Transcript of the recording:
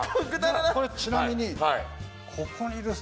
これちなみに。